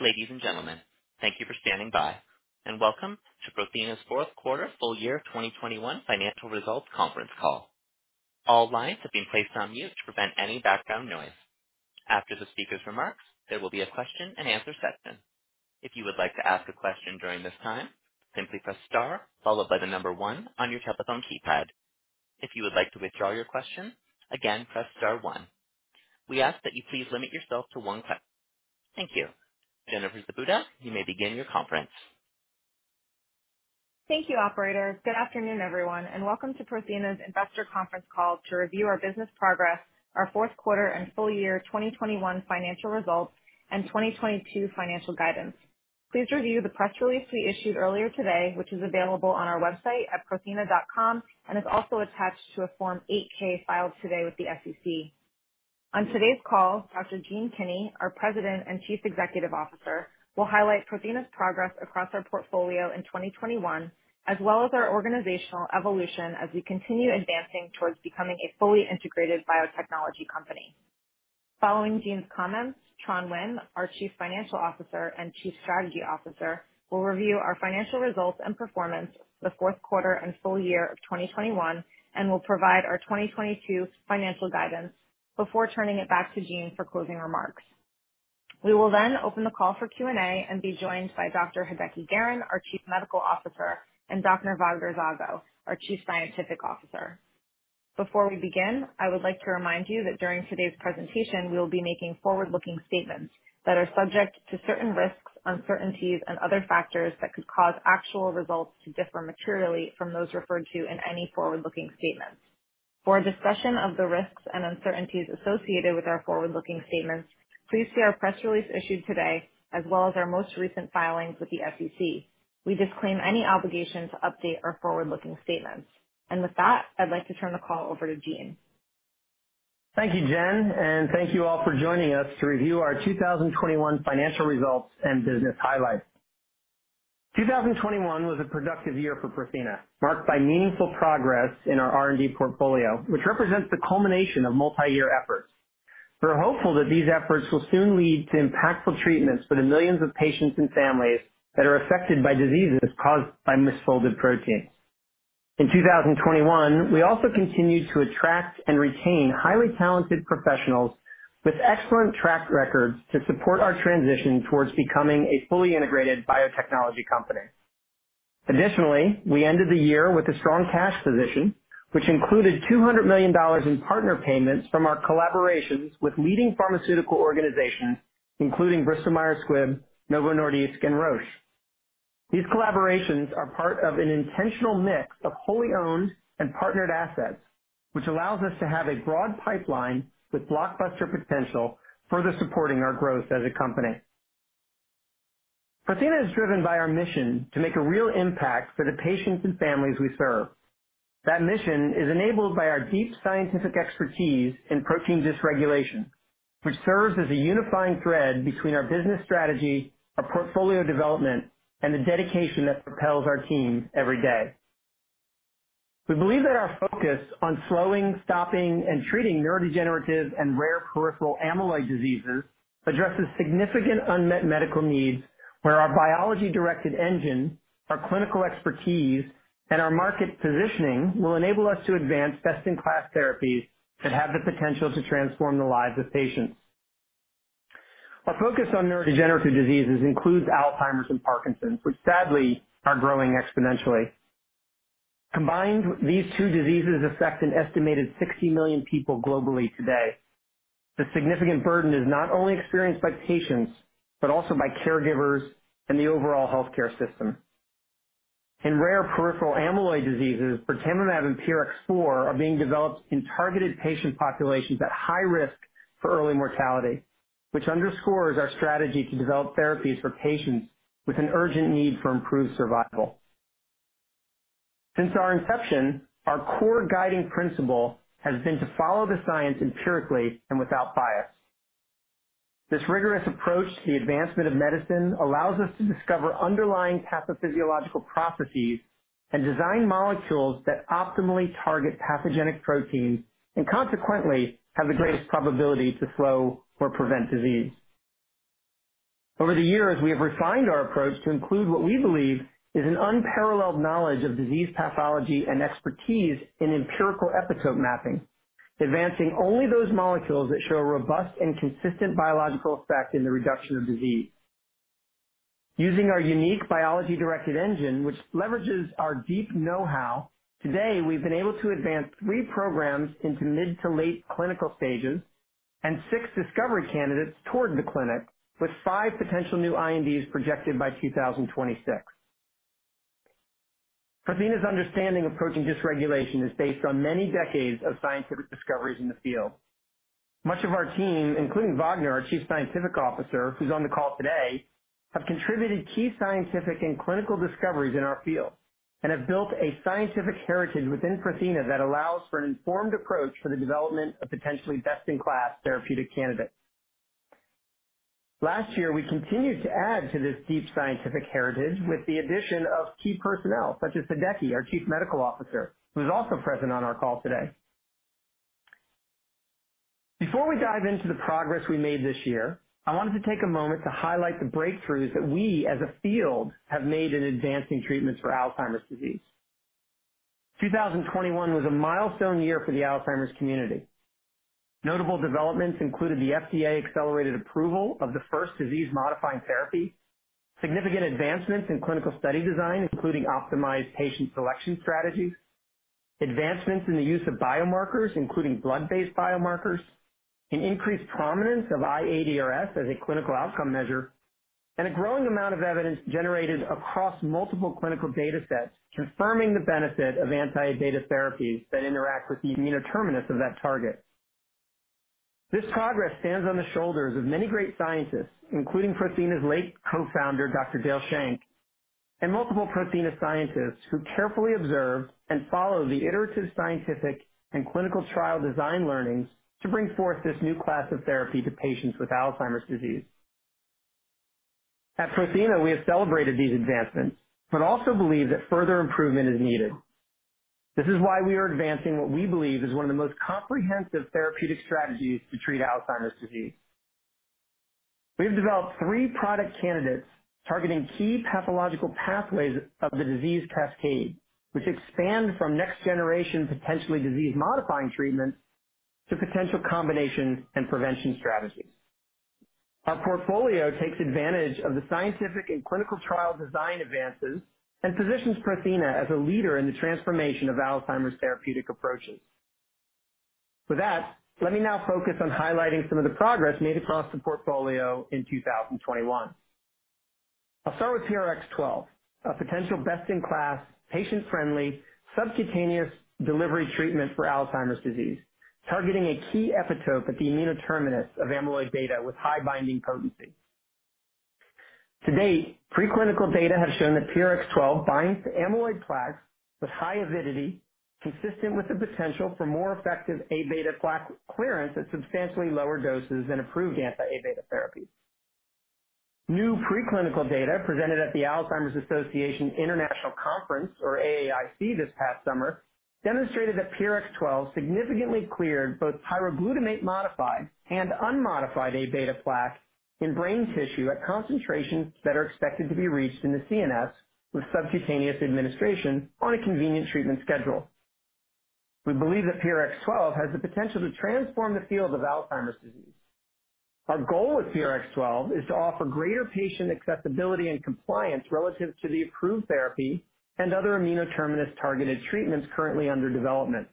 Ladies and gentlemen, thank you for standing by and welcome to Prothena's Fourth Quarter Full Year 2021 Financial Results Conference Call. All lines have been placed on mute to prevent any background noise. After the speaker's remarks, there will be a question and answer session. If you would like to ask a question during this time, simply press star followed by the number one on your telephone keypad. If you would like to withdraw your question, again, press star one. We ask that you please limit yourself to one question. Thank you. Jennifer Zibuda, you may begin your conference. Thank you, operator. Good afternoon, everyone, and welcome to Prothena's Investor Conference Call to review our business progress, our fourth quarter and full year 2021 financial results, and 2022 financial guidance. Please review the press release we issued earlier today, which is available on our website at prothena.com and is also attached to a Form 8-K filed today with the SEC. On today's call, Dr. Gene Kinney, our President and Chief Executive Officer, will highlight Prothena's progress across our portfolio in 2021, as well as our organizational evolution as we continue advancing towards becoming a fully integrated biotechnology company. Following Gene's comments, Tran Nguyen, our Chief Financial Officer and Chief Strategy Officer, will review our financial results and performance for the fourth quarter and full year of 2021 and will provide our 2022 financial guidance before turning it back to Gene for closing remarks. We will then open the call for Q&A and be joined by Dr. Hideki Garren, our Chief Medical Officer, and Dr. Wagner Zago, our Chief Scientific Officer. Before we begin, I would like to remind you that during today's presentation, we will be making forward-looking statements that are subject to certain risks, uncertainties, and other factors that could cause actual results to differ materially from those referred to in any forward-looking statements. For a discussion of the risks and uncertainties associated with our forward-looking statements, please see our press release issued today as well as our most recent filings with the SEC. We disclaim any obligation to update our forward-looking statements. With that, I'd like to turn the call over to Gene. Thank you, Jen, and thank you all for joining us to review our 2021 financial results and business highlights. 2021 was a productive year for Prothena, marked by meaningful progress in our R&D portfolio, which represents the culmination of multi-year efforts. We're hopeful that these efforts will soon lead to impactful treatments for the millions of patients and families that are affected by diseases caused by misfolded proteins. In 2021, we also continued to attract and retain highly talented professionals with excellent track records to support our transition towards becoming a fully integrated biotechnology company. Additionally, we ended the year with a strong cash position, which included $200 million in partner payments from our collaborations with leading pharmaceutical organizations, including Bristol Myers Squibb, Novo Nordisk, and Roche. These collaborations are part of an intentional mix of wholly owned and partnered assets, which allows us to have a broad pipeline with blockbuster potential, further supporting our growth as a company. Prothena is driven by our mission to make a real impact for the patients and families we serve. That mission is enabled by our deep scientific expertise in protein dysregulation, which serves as a unifying thread between our business strategy, our portfolio development, and the dedication that propels our team every day. We believe that our focus on slowing, stopping, and treating neurodegenerative and rare peripheral amyloid diseases addresses significant unmet medical needs, where our biology-directed engine, our clinical expertise, and our market positioning will enable us to advance best-in-class therapies that have the potential to transform the lives of patients. Our focus on neurodegenerative diseases includes Alzheimer's and Parkinson's, which sadly are growing exponentially. Combined, these two diseases affect an estimated 60 million people globally today. The significant burden is not only experienced by patients, but also by caregivers and the overall healthcare system. In rare peripheral amyloid diseases, birtamimab and PRX004 are being developed in targeted patient populations at high risk for early mortality, which underscores our strategy to develop therapies for patients with an urgent need for improved survival. Since our inception, our core guiding principle has been to follow the science empirically and without bias. This rigorous approach to the advancement of medicine allows us to discover underlying pathophysiological properties and design molecules that optimally target pathogenic proteins and consequently have the greatest probability to slow or prevent disease. Over the years, we have refined our approach to include what we believe is an unparalleled knowledge of disease pathology and expertise in empirical epitope mapping, advancing only those molecules that show a robust and consistent biological effect in the reduction of disease. Using our unique biology-directed engine, which leverages our deep know-how, today, we've been able to advance three programs into mid-to-late clinical stages and six discovery candidates toward the clinic, with five potential new INDs projected by 2026. Prothena's understanding of protein dysregulation is based on many decades of scientific discoveries in the field. Much of our team, including Wagner, our Chief Scientific Officer, who's on the call today, have contributed key scientific and clinical discoveries in our field and have built a scientific heritage within Prothena that allows for an informed approach for the development of potentially best-in-class therapeutic candidates. Last year, we continued to add to this deep scientific heritage with the addition of key personnel, such as Hideki, our Chief Medical Officer, who is also present on our call today. Before we dive into the progress we made this year, I wanted to take a moment to highlight the breakthroughs that we as a field have made in advancing treatments for Alzheimer's disease. 2021 was a milestone year for the Alzheimer's community. Notable developments included the FDA-accelerated approval of the first disease-modifying therapy, significant advancements in clinical study design, including optimized patient selection strategies, advancements in the use of biomarkers, including blood-based biomarkers, an increased prominence of iADRS as a clinical outcome measure, and a growing amount of evidence generated across multiple clinical datasets confirming the benefit of anti-A-beta therapies that interact with the N-terminus of that target. This progress stands on the shoulders of many great scientists, including Prothena's late co-founder, Dr. Dale Schenk, and multiple Prothena scientists who carefully observed and followed the iterative scientific and clinical trial design learnings to bring forth this new class of therapy to patients with Alzheimer's disease. At Prothena, we have celebrated these advancements but also believe that further improvement is needed. This is why we are advancing what we believe is one of the most comprehensive therapeutic strategies to treat Alzheimer's disease. We have developed three product candidates targeting key pathological pathways of the disease cascade, which expand from next generation, potentially disease-modifying treatments to potential combination and prevention strategies. Our portfolio takes advantage of the scientific and clinical trial design advances and positions Prothena as a leader in the transformation of Alzheimer's therapeutic approaches. With that, let me now focus on highlighting some of the progress made across the portfolio in 2021. I'll start with PRX012, a potential best-in-class, patient-friendly, subcutaneous delivery treatment for Alzheimer's disease, targeting a key epitope at the N-terminus of amyloid beta with high binding potency. To date, preclinical data has shown that PRX012 binds to amyloid plaques with high avidity, consistent with the potential for more effective A-beta plaque clearance at substantially lower doses than approved anti-A-beta therapies. New preclinical data presented at the Alzheimer's Association International Conference, or AAIC, this past summer demonstrated that PRX012 significantly cleared both pyroglutamate-modified and unmodified A-beta plaque in brain tissue at concentrations that are expected to be reached in the CNS with subcutaneous administration on a convenient treatment schedule. We believe that PRX012 has the potential to transform the field of Alzheimer's disease. Our goal with PRX012 is to offer greater patient accessibility and compliance relative to the approved therapy and other N-terminus-targeted treatments currently under development.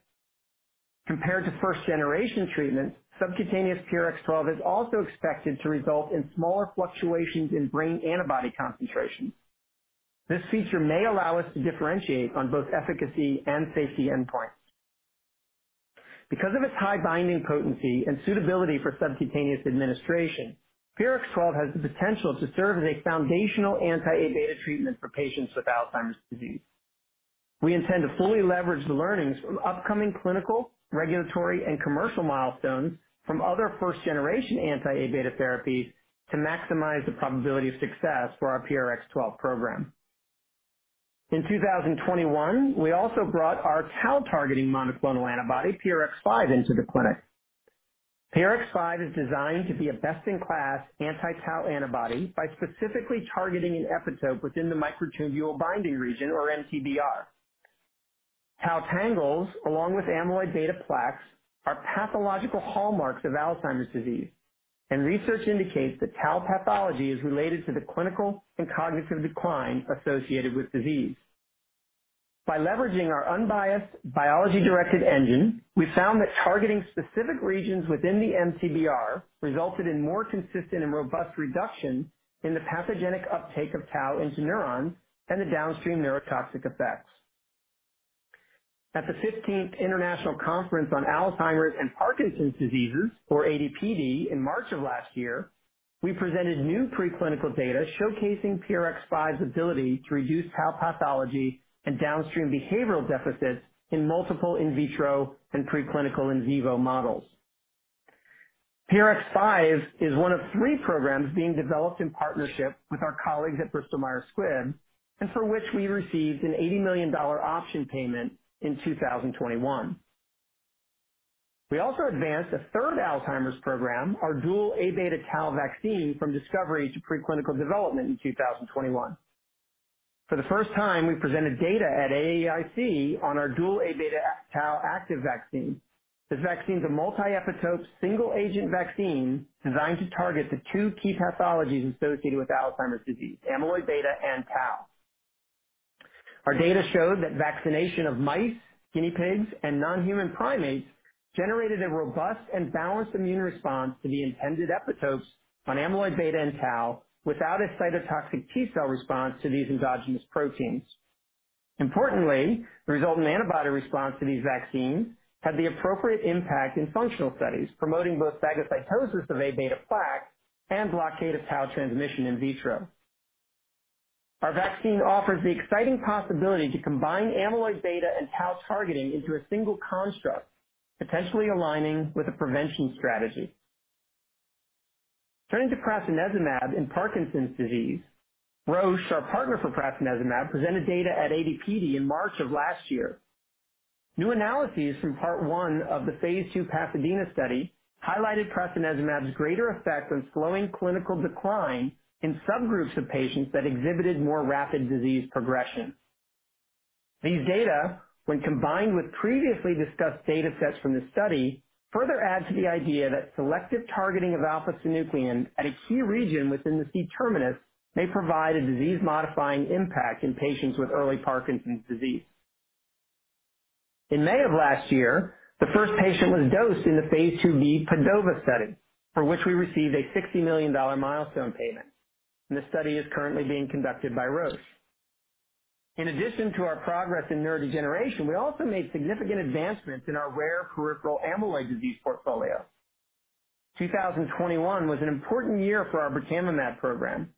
Compared to first-generation treatments, subcutaneous PRX012 is also expected to result in smaller fluctuations in brain antibody concentrations. This feature may allow us to differentiate on both efficacy and safety endpoints. Because of its high binding potency and suitability for subcutaneous administration, PRX012 has the potential to serve as a foundational anti-A-beta treatment for patients with Alzheimer's disease. We intend to fully leverage the learnings from upcoming clinical, regulatory, and commercial milestones from other first-generation anti-A-beta therapies to maximize the probability of success for our PRX012 program. In 2021, we also brought our tau-targeting monoclonal antibody, PRX005, into the clinic. PRX005 is designed to be a best-in-class anti-tau antibody by specifically targeting an epitope within the microtubule-binding region, or MTBR. Tau tangles, along with amyloid beta plaques, are pathological hallmarks of Alzheimer's disease, and research indicates that tau pathology is related to the clinical and cognitive decline associated with disease. By leveraging our unbiased biology-directed engine, we found that targeting specific regions within the MTBR resulted in more consistent and robust reduction in the pathogenic uptake of tau into neurons and the downstream neurotoxic effects. At the 15th International Conference on Alzheimer's and Parkinson's Diseases, or ADPD, in March of last year, we presented new preclinical data showcasing PRX005's ability to reduce tau pathology and downstream behavioral deficits in multiple in vitro and preclinical in vivo models. PRX005 is one of three programs being developed in partnership with our colleagues at Bristol Myers Squibb, and for which we received an $80 million option payment in 2021. We also advanced a third Alzheimer's program, our dual A-beta tau vaccine, from discovery to preclinical development in 2021. For the first time, we presented data at AAIC on our dual A-beta tau active vaccine. This vaccine is a multi-epitope, single-agent vaccine designed to target the two key pathologies associated with Alzheimer's disease, amyloid beta and tau. Our data showed that vaccination of mice, guinea pigs, and non-human primates generated a robust and balanced immune response to the intended epitopes on amyloid beta and tau without a cytotoxic T cell response to these endogenous proteins. Importantly, the resulting antibody response to these vaccines had the appropriate impact in functional studies, promoting both phagocytosis of A-beta plaque and blockade of tau transmission in vitro. Our vaccine offers the exciting possibility to combine amyloid beta and tau targeting into a single construct, potentially aligning with a prevention strategy. Turning to prasinezumab in Parkinson's disease, Roche, our partner for prasinezumab, presented data at AD/PD in March of last year. New analyses from part one of the phase II PASADENA study highlighted prasinezumab's greater effect on slowing clinical decline in subgroups of patients that exhibited more rapid disease progression. These data, when combined with previously discussed data sets from the study, further add to the idea that selective targeting of alpha-synuclein at a key region within the C-terminus may provide a disease-modifying impact in patients with early Parkinson's disease. In May of last year, the first patient was dosed in the phase IIb PADOVA study, for which we received a $60 million milestone payment, and the study is currently being conducted by Roche. In addition to our progress in neurodegeneration, we also made significant advancements in our rare peripheral amyloid disease portfolio. 2021 was an important year for our birtamimab program.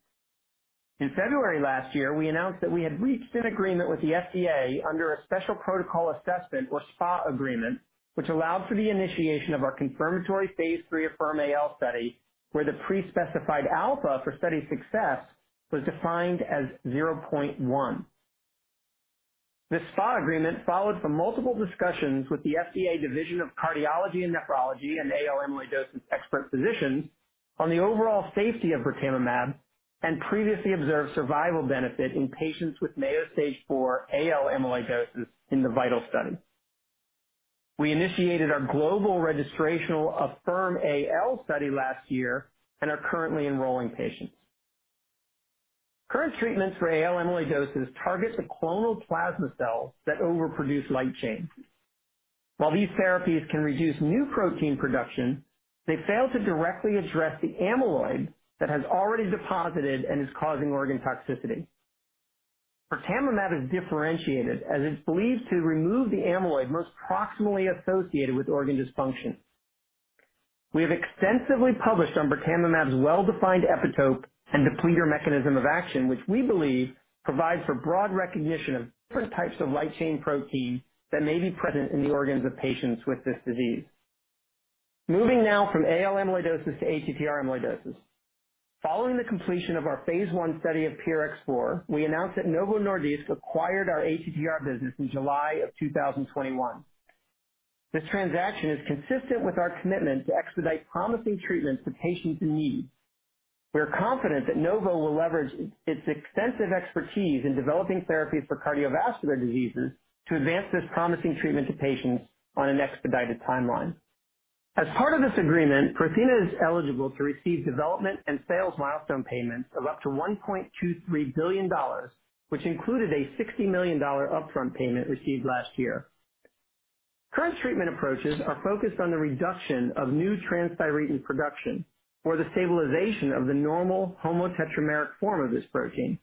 In February last year, we announced that we had reached an agreement with the FDA under a special protocol assessment, or SPA agreement, which allowed for the initiation of our confirmatory phase III AFFIRM-AL study, where the pre-specified alpha for study success was defined as 0.1. This SPA agreement followed from multiple discussions with the FDA Division of Cardiology and Nephrology and AL amyloidosis expert physicians on the overall safety of birtamimab and previously observed survival benefit in patients with Mayo Stage IV AL amyloidosis in the VITAL study. We initiated our global registrational AFFIRM-AL study last year and are currently enrolling patients. Current treatments for AL amyloidosis target the clonal plasma cells that overproduce light chain. While these therapies can reduce new protein production, they fail to directly address the amyloid that has already deposited and is causing organ toxicity. Birtamimab is differentiated as it's believed to remove the amyloid most proximally associated with organ dysfunction. We have extensively published on birtamimab's well-defined epitope and depleter mechanism of action, which we believe provides for broad recognition of different types of light chain protein that may be present in the organs of patients with this disease. Moving now from AL amyloidosis to ATTR amyloidosis. Following the completion of our phase I study of PRX004, we announced that Novo Nordisk acquired our ATTR business in July of 2021. This transaction is consistent with our commitment to expedite promising treatments to patients in need. We are confident that Novo will leverage its extensive expertise in developing therapies for cardiovascular diseases to advance this promising treatment to patients on an expedited timeline. As part of this agreement, Prothena is eligible to receive development and sales milestone payments of up to $1.23 billion, which included a $60 million upfront payment received last year. Current treatment approaches are focused on the reduction of new transthyretin production or the stabilization of the normal homo-tetrameric form of this protein.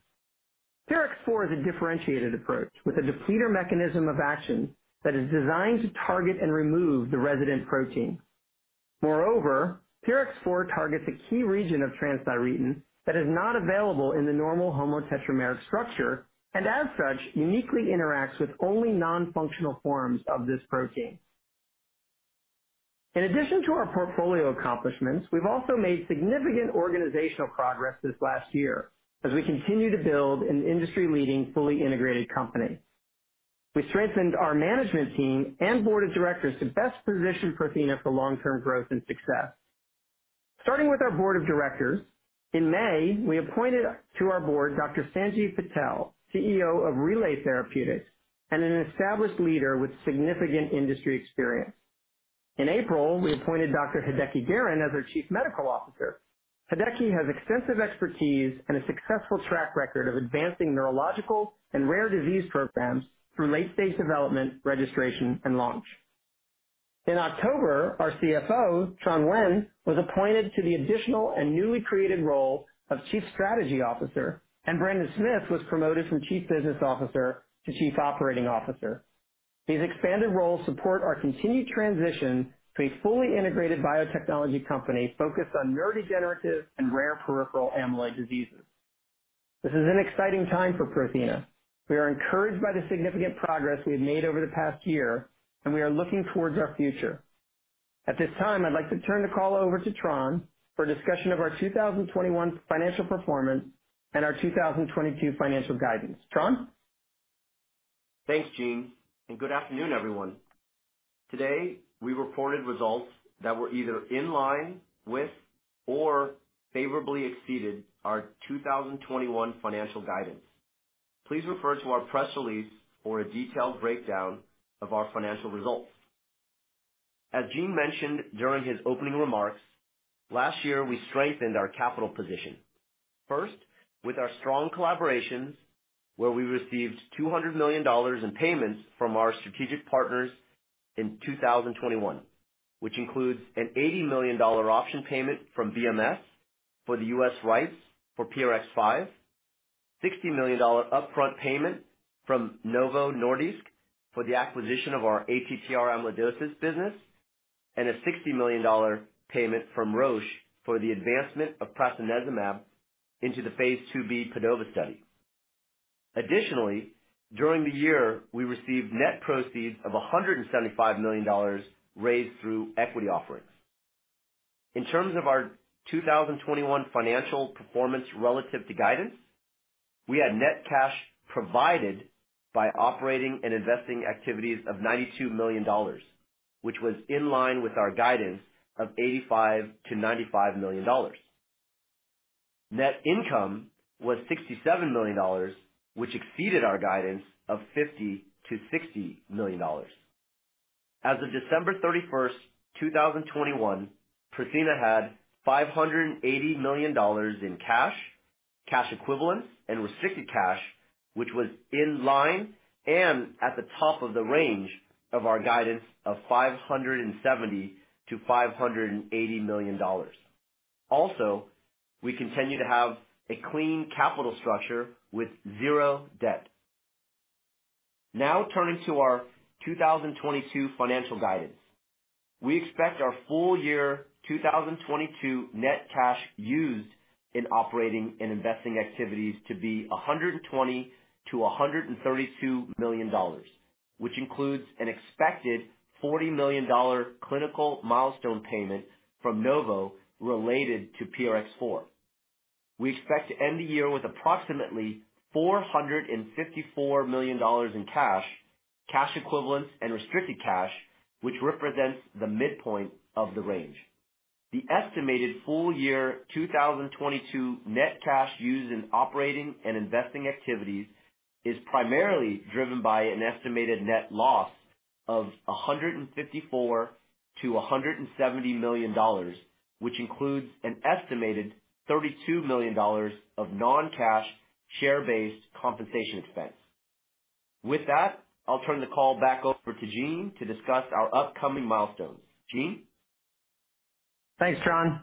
PRX004 is a differentiated approach with a depleter mechanism of action that is designed to target and remove the resident protein. Moreover, PRX004 targets a key region of transthyretin that is not available in the normal homo-tetrameric structure, and as such, uniquely interacts with only non-functional forms of this protein. In addition to our portfolio accomplishments, we've also made significant organizational progress this last year as we continue to build an industry-leading, fully integrated company. We strengthened our management team and Board of Directors to best position Prothena for long-term growth and success. Starting with our Board of Directors, in May, we appointed to our board Dr. Sanjiv Patel, CEO of Relay Therapeutics and an established leader with significant industry experience. In April, we appointed Dr. Hideki Garren as our Chief Medical Officer. Hideki has extensive expertise and a successful track record of advancing neurological and rare disease programs through late-stage development, registration, and launch. In October, our CFO, Tran Nguyen, was appointed to the additional and newly created role of Chief Strategy Officer, and Brandon Smith was promoted from Chief Business Officer to Chief Operating Officer. These expanded roles support our continued transition to a fully integrated biotechnology company focused on neurodegenerative and rare peripheral amyloid diseases. This is an exciting time for Prothena. We are encouraged by the significant progress we have made over the past year, and we are looking towards our future. At this time, I'd like to turn the call over to Tran for a discussion of our 2021 financial performance and our 2022 financial guidance. Tran? Thanks, Gene, and good afternoon, everyone. Today, we reported results that were either in line with or favorably exceeded our 2021 financial guidance. Please refer to our press release for a detailed breakdown of our financial results. As Gene mentioned during his opening remarks, last year, we strengthened our capital position. First, with our strong collaborations, where we received $200 million in payments from our strategic partners in 2021, which includes an $80 million option payment from BMS for the U.S. rights for PRX005, $60 million upfront payment from Novo Nordisk for the acquisition of our ATTR amyloidosis business, and a $60 million payment from Roche for the advancement of prasinezumab into the phase II-B PADOVA study. Additionally, during the year, we received net proceeds of $175 million raised through equity offerings. In terms of our 2021 financial performance relative to guidance, we had net cash provided by operating and investing activities of $92 million, which was in line with our guidance of $85 million-$95 million. Net income was $67 million, which exceeded our guidance of $50 million-$60 million. As of December 31, 2021, Prothena had $580 million in cash equivalents and restricted cash, which was in line and at the top of the range of our guidance of $570 million-$580 million. Also, we continue to have a clean capital structure with zero debt. Now turning to our 2022 financial guidance. We expect our full year 2022 net cash used in operating and investing activities to be $120 million-$132 million, which includes an expected $40 million clinical milestone payment from Novo related to PRX004. We expect to end the year with approximately $454 million in cash equivalents and restricted cash, which represents the midpoint of the range. The estimated full year 2022 net cash used in operating and investing activities is primarily driven by an estimated net loss of $154 million-$170 million, which includes an estimated $32 million of non-cash share-based compensation expense. With that, I'll turn the call back over to Gene to discuss our upcoming milestones. Gene? Thanks, Tran Nguyen.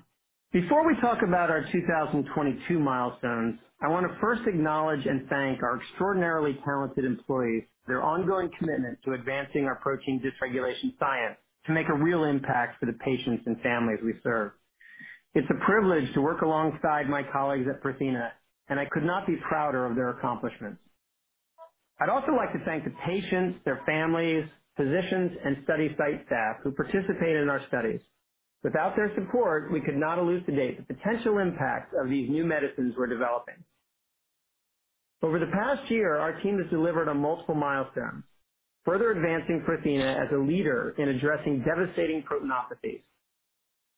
Before we talk about our 2022 milestones, I want to first acknowledge and thank our extraordinarily talented employees for their ongoing commitment to advancing our protein dysregulation science to make a real impact for the patients and families we serve. It's a privilege to work alongside my colleagues at Prothena, and I could not be prouder of their accomplishments. I'd also like to thank the patients, their families, physicians, and study site staff who participate in our studies. Without their support, we could not elucidate the potential impact of these new medicines we're developing. Over the past year, our team has delivered on multiple milestones, further advancing Prothena as a leader in addressing devastating proteinopathies.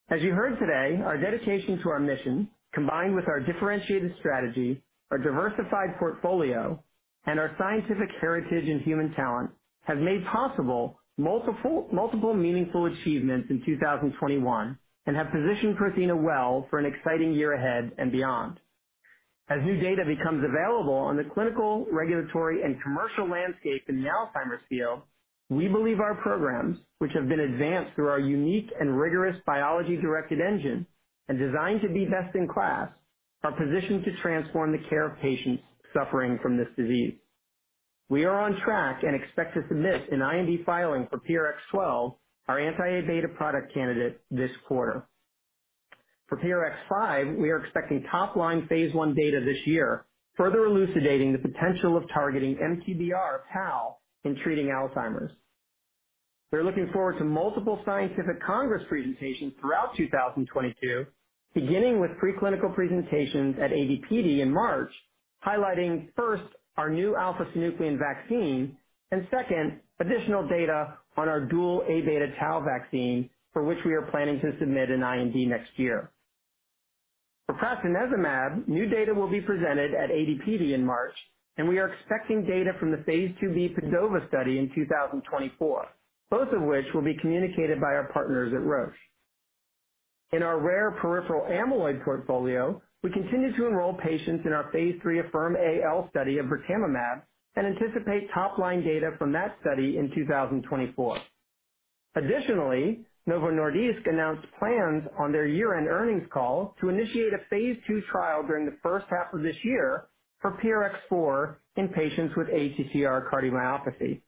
As you heard today, our dedication to our mission, combined with our differentiated strategy, our diversified portfolio, and our scientific heritage and human talent, have made possible multiple meaningful achievements in 2021 and have positioned Prothena well for an exciting year ahead and beyond. As new data becomes available on the clinical, regulatory, and commercial landscape in the Alzheimer's field, we believe our programs, which have been advanced through our unique and rigorous biology-directed engine and designed to be best in class, are positioned to transform the care of patients suffering from this disease. We are on track and expect to submit an IND filing for PRX012, our anti-A-beta product candidate, this quarter. For PRX005, we are expecting top-line phase I data this year, further elucidating the potential of targeting MTBR tau in treating Alzheimer's. We're looking forward to multiple scientific congress presentations throughout 2022, beginning with preclinical presentations at AD/PD in March, highlighting first, our new alpha-synuclein vaccine, and second, additional data on our dual A-beta tau vaccine, for which we are planning to submit an IND next year. For prasinezumab, new data will be presented at AD/PD in March, and we are expecting data from the phase II-B PADOVA study in 2024, both of which will be communicated by our partners at Roche. In our rare peripheral amyloid portfolio, we continue to enroll patients in our phase III AFFIRM-AL study of birtamimab, and anticipate top-line data from that study in 2024. Additionally, Novo Nordisk announced plans on their year-end earnings call to initiate a phase II trial during the first half of this year for PRX004 in patients with ATTR cardiomyopathy.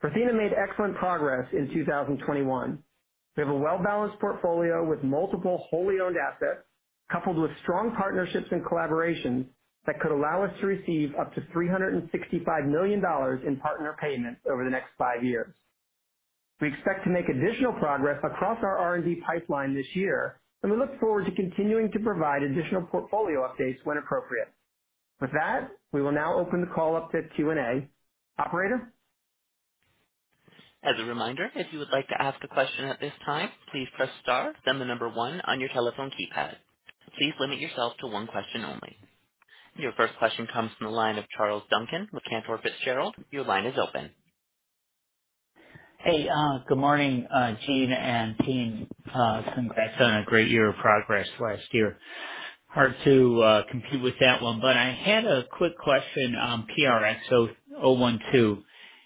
Prothena made excellent progress in 2021. We have a well-balanced portfolio with multiple wholly owned assets, coupled with strong partnerships and collaborations that could allow us to receive up to $365 million in partner payments over the next five years. We expect to make additional progress across our R&D pipeline this year, and we look forward to continuing to provide additional portfolio updates when appropriate. With that, we will now open the call up to Q&A. Operator? As a reminder, if you would like to ask a question at this time, please press star then one on your telephone keypad. Please limit yourself to one question only. Your first question comes from the line of Charles Duncan with Cantor Fitzgerald. Your line is open. Hey, good morning, Gene, and team. Congrats on a great year of progress last year. Hard to compete with that one, but I had a quick question on PRX012,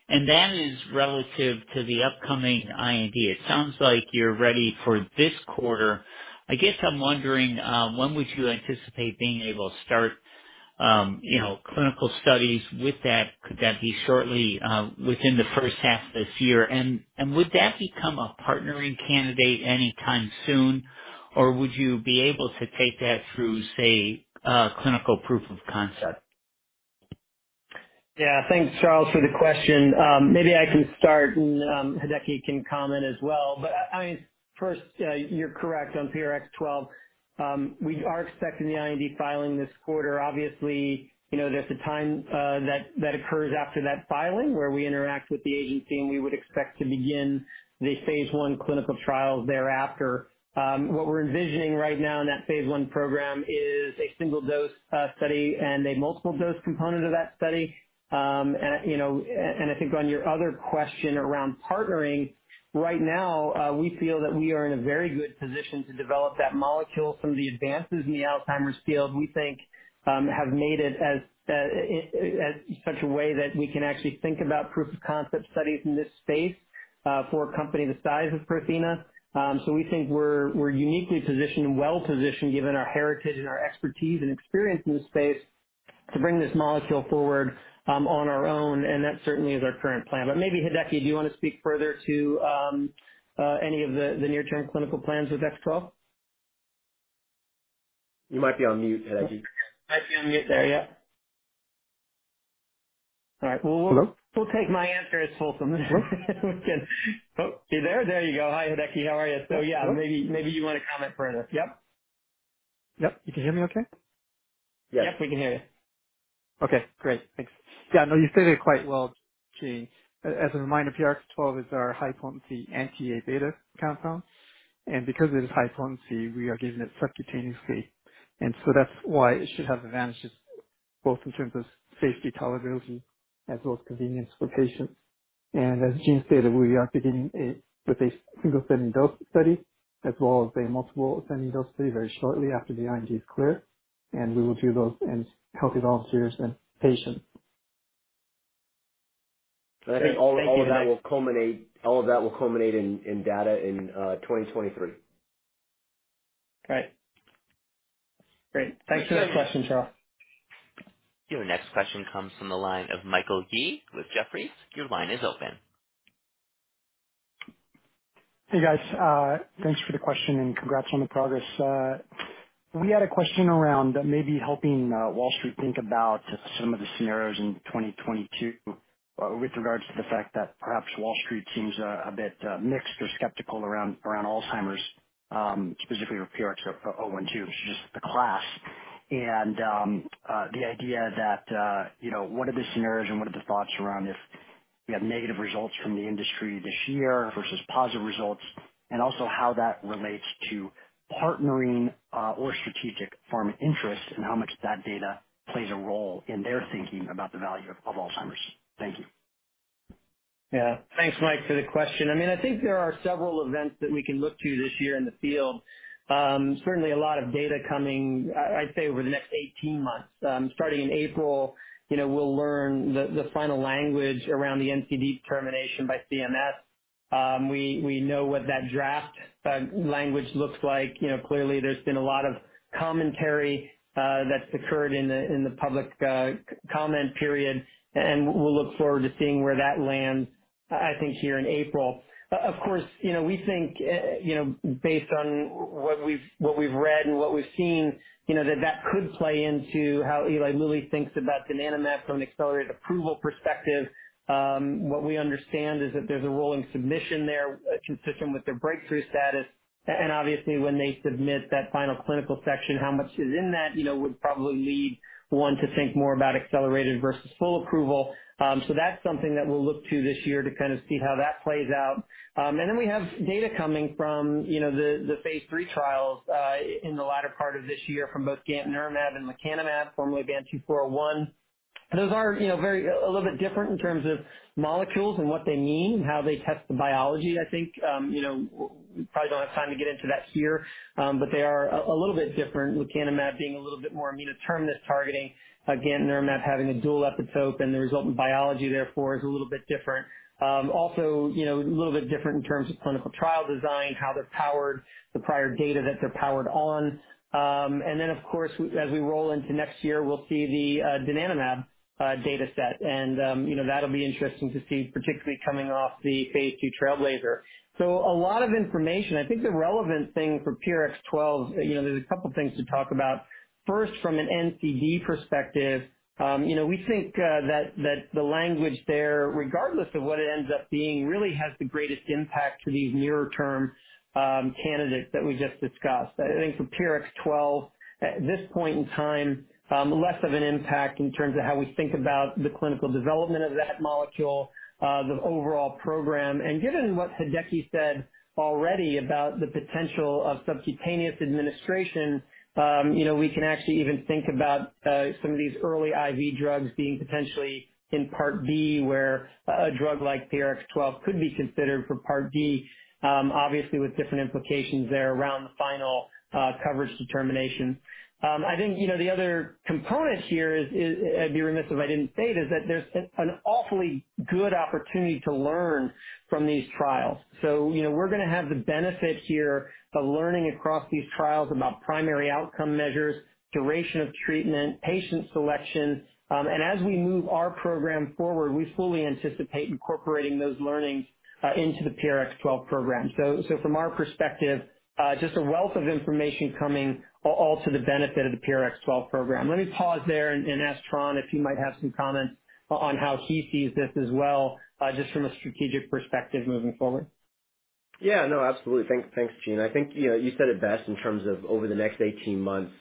and that is relative to the upcoming IND. It sounds like you're ready for this quarter. I guess I'm wondering, when would you anticipate being able to start, you know, clinical studies with that? Could that be shortly, within the first half of this year? Would that become a partnering candidate anytime soon? Would you be able to take that through, say, clinical proof of concept? Thanks, Charles, for the question. Maybe I can start, and Hideki can comment as well. I mean, first, you're correct on PRX012. We are expecting the IND filing this quarter. Obviously, you know, there's a time that occurs after that filing where we interact with the agency, and we would expect to begin the phase I clinical trials thereafter. What we're envisioning right now in that phase I program is a single-dose study and a multiple-dose component of that study. And you know, I think on your other question around partnering, right now, we feel that we are in a very good position to develop that molecule. Some of the advances in the Alzheimer's field, we think, have made it in such a way that we can actually think about proof of concept studies in this space for a company the size of Prothena. We think we're uniquely positioned and well positioned, given our heritage and our expertise and experience in this space, to bring this molecule forward on our own. That certainly is our current plan. Maybe, Hideki, do you want to speak further to any of the near-term clinical plans with PRX012? You might be on mute, Hideki. Might be on mute there. Yep. All right. Well, Hello? We'll take my answer as wholesome. Oh, you there? There you go. Hi, Hideki. How are you? Yeah, maybe you wanna comment further. Yep. Yep. You can hear me okay? Yes, we can hear you. Okay, great. Thanks. Yeah, no, you stated it quite well, Gene. As a reminder, PRX012 is our high-potency anti-A-beta compound. Because it is high potency, we are giving it subcutaneously. So that's why it should have advantages both in terms of safety tolerability as well as convenience for patients. As Gene stated, we are beginning with a single ascending dose study as well as a multiple ascending dose study very shortly after the IND is cleared, and we will do those in healthy volunteers and patients. Great. Thank you, Hideki. I think all of that will culminate in data in 2023. Right. Great. Thanks for the question, Charles. Your next question comes from the line of Michael Yee with Jefferies. Your line is open. Hey, guys. Thanks for the question, and congrats on the progress. We had a question around maybe helping Wall Street think about some of the scenarios in 2022, with regards to the fact that perhaps Wall Street seems a bit mixed or skeptical around Alzheimer's, specifically for PRX012, which is the class. The idea that, you know, what are the scenarios and what are the thoughts around if we have negative results from the industry this year versus positive results, and also how that relates to partnering or strategic pharma interest and how much that data plays a role in their thinking about the value of Alzheimer's. Thank you. Yeah. Thanks, Mike, for the question. I mean, I think there are several events that we can look to this year in the field. Certainly a lot of data coming, I'd say over the next 18 months. Starting in April, you know, we'll learn the final language around the NCD determination by CMS. We know what that draft language looks like. You know, clearly there's been a lot of commentary that's occurred in the public comment period, and we'll look forward to seeing where that lands, I think here in April. Of course, you know, we think, you know, based on what we've read and what we've seen, you know, that could play into how Eli Lilly thinks about donanemab from an accelerated approval perspective. What we understand is that there's a rolling submission there consistent with their breakthrough status. Obviously, when they submit that final clinical section, how much is in that, you know, would probably lead one to think more about accelerated versus full approval. That's something that we'll look to this year to kind of see how that plays out. We have data coming from, you know, the phase III trials in the latter part of this year from both gantenerumab and lecanemab, formerly BAN2401. Those are, you know, very a little bit different in terms of molecules and what they mean and how they test the biology, I think. You know, we probably don't have time to get into that here, but they are a little bit different, with lecanemab being a little bit more N-terminus targeting, gantenerumab having a dual epitope, and the resultant biology therefore is a little bit different. Also, you know, a little bit different in terms of clinical trial design, how they're powered, the prior data that they're powered on. Of course, as we roll into next year, we'll see the donanemab data set. You know, that'll be interesting to see, particularly coming off the phase II TRAILBLAZER-ALZ. A lot of information. I think the relevant thing for PRX012, you know, there's a couple of things to talk about. First, from an NCD perspective, you know, we think that the language there, regardless of what it ends up being, really has the greatest impact to these nearer-term candidates that we just discussed. I think for PRX012, at this point in time, less of an impact in terms of how we think about the clinical development of that molecule, the overall program. Given what Hideki said already about the potential of subcutaneous administration, you know, we can actually even think about some of these early IV drugs being potentially in Part B where a drug like PRX012 could be considered for Part B, obviously with different implications there around the final coverage determination. I think, you know, the other component here is I'd be remiss if I didn't state is that there's an awfully good opportunity to learn from these trials. You know, we're gonna have the benefit here of learning across these trials about primary outcome measures, duration of treatment, patient selection. As we move our program forward, we fully anticipate incorporating those learnings into the PRX012 program. From our perspective, just a wealth of information is coming, all to the benefit of the PRX012 program. Let me pause there and ask Tran if he might have some comments on how he sees this as well, just from a strategic perspective moving forward. Yeah. No, absolutely. Thanks. Thanks, Gene. I think, you know, you said it best in terms of over the next 18 months,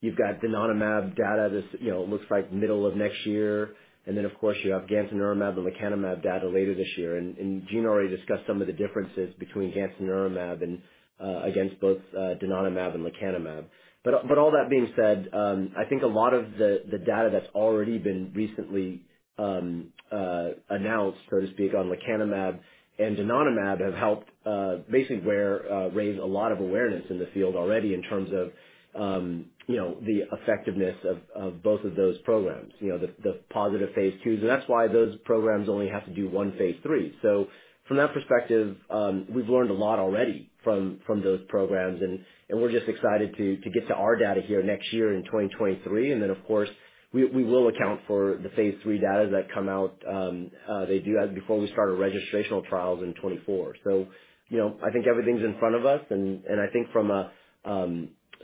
you've got donanemab data. This, you know, looks like middle of next year. And then, of course, you have gantenerumab and lecanemab data later this year. And Gene already discussed some of the differences between gantenerumab and against both donanemab and lecanemab. But all that being said, I think a lot of the data that's already been recently announced, so to speak, on lecanemab and donanemab have helped basically to raise a lot of awareness in the field already in terms of, you know, the effectiveness of both of those programs, you know, the positive phase IIs. And that's why those programs only have to do one phase III. From that perspective, we've learned a lot already from those programs and we're just excited to get to our data here next year in 2023. Then, of course, we will account for the phase III data that come out they do have before we start our registrational trials in 2024. You know, I think everything's in front of us. I think from a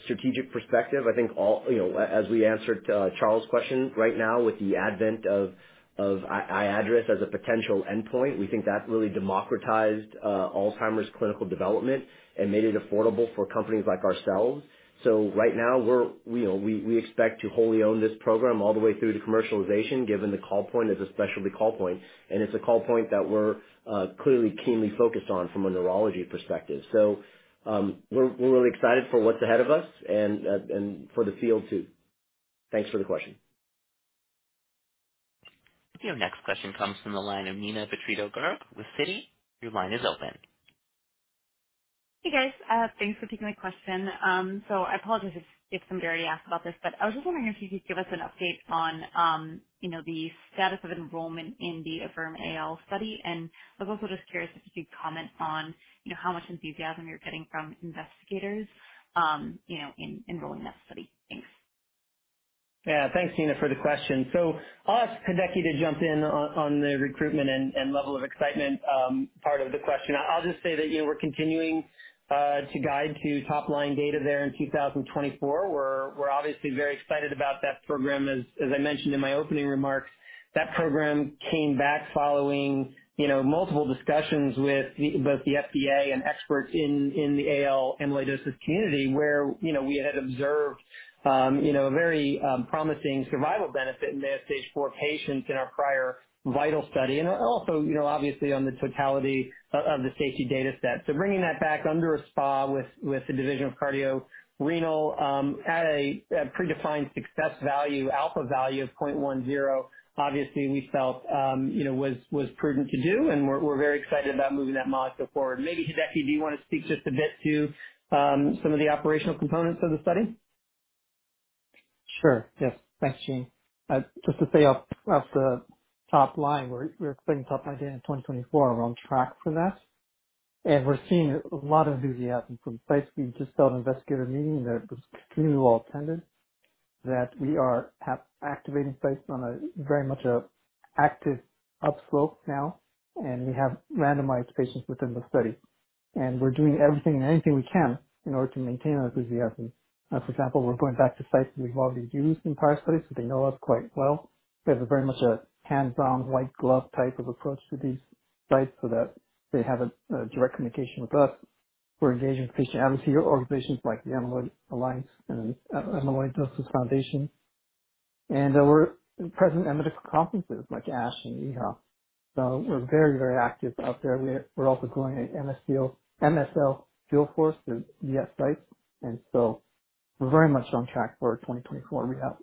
strategic perspective, I think. You know, as we answered Charles' question right now with the advent of iADRS as a potential endpoint, we think that's really democratized Alzheimer's clinical development and made it affordable for companies like ourselves. Right now we expect to wholly own this program all the way through to commercialization, given the call point is a specialty call point, and it's a call point that we're clearly keenly focused on from a neurology perspective. We're really excited for what's ahead of us and for the field too. Thanks for the question. Your next question comes from the line of Neena Bitritto-Garg with Citi. Your line is open. Hey, guys. Thanks for taking my question. So I apologize if somebody already asked about this, but I was just wondering if you could give us an update on, you know, the status of enrollment in the AFFIRM-AL study. I was also just curious if you could comment on, you know, how much enthusiasm you're getting from investigators, you know, in enrolling that study. Thanks. Yeah. Thanks, Neena, for the question. I'll ask Hideki to jump in on the recruitment and level of excitement part of the question. I'll just say that, you know, we're continuing to guide to top line data there in 2024. We're obviously very excited about that program. As I mentioned in my opening remarks, that program came back following, you know, multiple discussions with both the FDA and experts in the AL amyloidosis community, where, you know, we had observed a very promising survival benefit in the Stage IV patients in our prior VITAL study. Also, you know, obviously on the totality of the safety data set. Bringing that back under a SPA with the division of cardiorenal, at a predefined success value, alpha value of 0.10, obviously we felt, you know, was prudent to do, and we're very excited about moving that molecule forward. Maybe Hideki, do you wanna speak just a bit to some of the operational components of the study? Sure. Yes. Thanks, Gene. Just to say off the top line, we're expecting top-line data in 2024. We're on track for that. We're seeing a lot of enthusiasm from sites. We just held an investigator meeting that was extremely well attended, that we are activating sites on a very much an active upslope now, and we have randomized patients within the study. We're doing everything and anything we can in order to maintain our enthusiasm. For example, we're going back to sites we've already used in prior studies, so they know us quite well. We have a very much a hands-on, white-glove type of approach to these sites so that they have a direct communication with us. We're engaging patient advocacy organizations like the Amyloidosis Alliance and Amyloidosis Foundation. We're present at medical conferences like ASH and EHA. We're very, very active out there. We're also growing an MSL field force through ES sites. We're very much on track for our 2024 readout.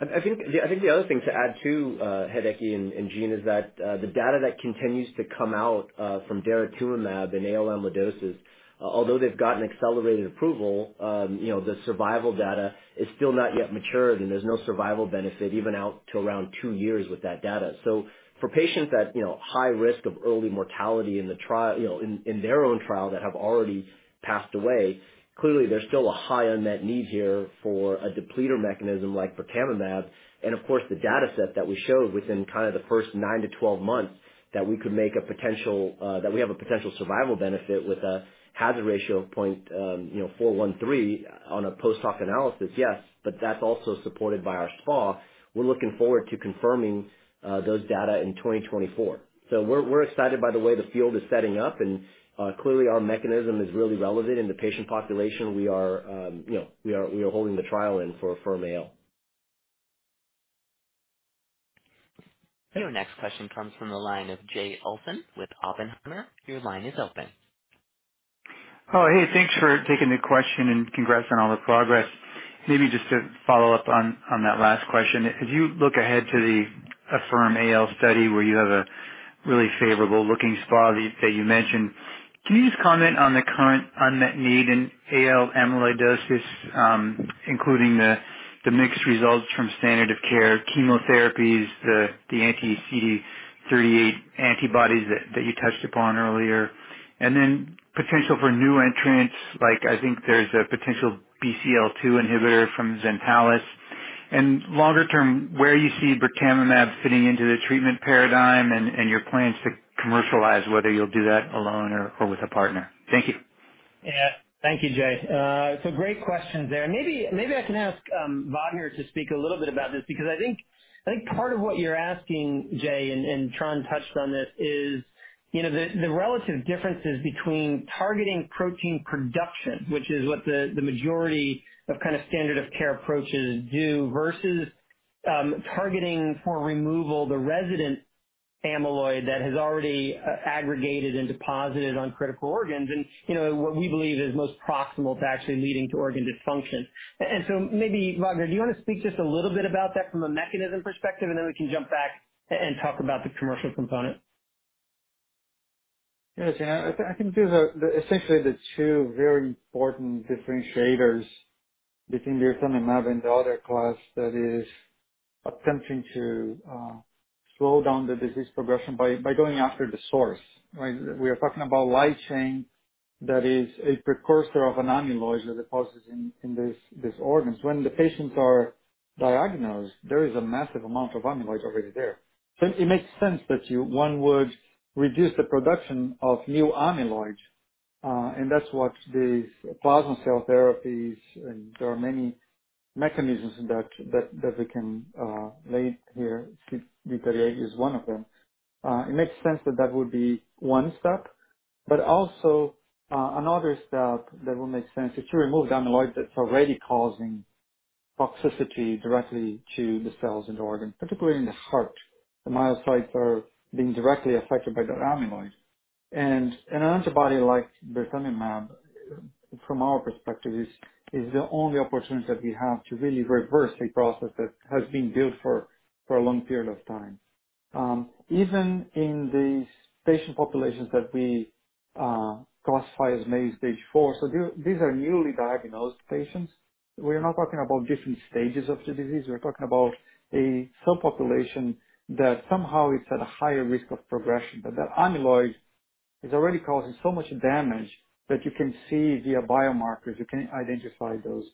I think the other thing to add too, Hideki and Gene, is that the data that continues to come out from daratumumab in AL amyloidosis, although they've gotten accelerated approval, you know, the survival data is still not yet mature, and there's no survival benefit even out to around two years with that data. For patients at, you know, high risk of early mortality in the trial, you know, in their own trial that have already passed away, clearly there's still a high unmet need here for a depleter mechanism like birtamimab. Of course, the data set that we showed within kinda the first nine to 12 months that we could make a potential that we have a potential survival benefit with a hazard ratio of 0.413 on a post hoc analysis, yes, but that's also supported by our SPA. We're looking forward to confirming those data in 2024. We're excited by the way the field is setting up, and clearly our mechanism is really relevant in the patient population we are holding the trial in for Mayo. Your next question comes from the line of Jay Olson with Oppenheimer. Your line is open. Oh, hey, thanks for taking the question, and congrats on all the progress. Maybe just to follow up on that last question. As you look ahead to the AFFIRM-AL study, where you have a really favorable-looking SPA that you mentioned, can you just comment on the current unmet need in AL amyloidosis, including the mixed results from standard of care chemotherapies, the anti-CD38 antibodies that you touched upon earlier? Potential for new entrants, like I think there's a potential BCL-2 inhibitor from Zentalis. Longer term, where you see birtamimab fitting into the treatment paradigm, and your plans to commercialize whether you'll do that alone or with a partner? Thank you. Yeah. Thank you, Jay. So great questions there. Maybe I can ask Wagner to speak a little bit about this because I think part of what you're asking, Jay, and Tran touched on this, is, you know, the relative differences between targeting protein production, which is what the majority of kind of standard of care approaches do, versus targeting for removal the resident amyloid that has already aggregated and deposited on critical organs. And you know, what we believe is most proximal to actually leading to organ dysfunction. So maybe, Wagner, do you wanna speak just a little bit about that from a mechanism perspective, and then we can jump back and talk about the commercial component? Yes. Yeah. I think these are essentially the two very important differentiators between lecanemab and the other class that is attempting to slow down the disease progression by going after the source, right? We are talking about light chain that is a precursor of an amyloid that deposits in these organs. When the patients are diagnosed, there is a massive amount of amyloid already there. It makes sense that one would reduce the production of new amyloid, and that's what these plasma cell therapies, and there are many mechanisms that we can lay here. CD38 is one of them. It makes sense that that would be one step, but also, another step that will make sense is to remove the amyloid that's already causing toxicity directly to the cells in the organ, particularly in the heart. The myocytes are being directly affected by the amyloid. An antibody like lecanemab, from our perspective, is the only opportunity that we have to really reverse a process that has been built for a long period of time. Even in these patient populations that we classify as Mayo Stage IV. These are newly diagnosed patients. We are not talking about different stages of the disease. We're talking about a subpopulation that somehow is at a higher risk of progression, but that amyloid is already causing so much damage that you can see via biomarkers, you can identify those.